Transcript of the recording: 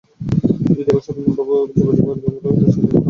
যদি এখন স্বাধীনভাবে জীবিকা অর্জন করিলে স্বাধীনতা লাভ হয়, তবে তাহাই করিব।